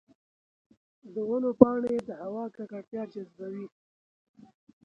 د ونو پاڼې د هوا ککړتیا جذبوي.